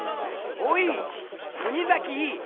おい国崎！